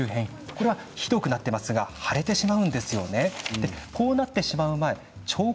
これは、ひどくなっていますが腫れてしまうんですよね。